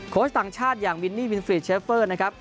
ต่างชาติอย่างมินนี่วินฟรีดเชฟเฟอร์นะครับ